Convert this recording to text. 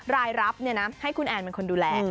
รายรับเนี่ยนะให้คุณแอนน์เป็นคนดูแล